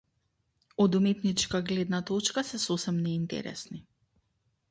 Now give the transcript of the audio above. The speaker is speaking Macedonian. Од уметничка гледна точка се сосем неинтересни.